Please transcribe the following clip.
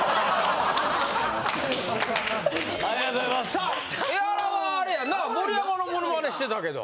さあエハラはあれやんな盛山のモノマネしてたけど。